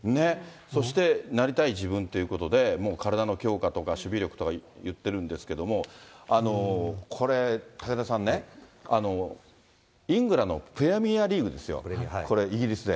そしてなりたい自分っていうことで、もう体の強化とか守備力とか言ってるんですけども、これ、武田さんね、イングランドのプレミアリーグですよ、これ、イギリスで。